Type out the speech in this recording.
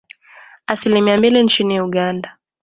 asilimia mbili nchini Uganda